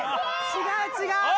違う違う！